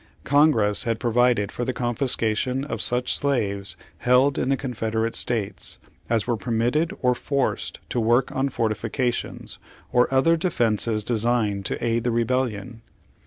Congress had provided for the confiscation of such slaves held in the Confederate States, as were permitted or forced to work on fortifications, or other defences designed to aid the rebellion.